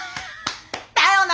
だよな！